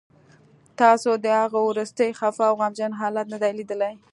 تاسو د هغه وروستی خفه او غمجن حالت نه دی لیدلی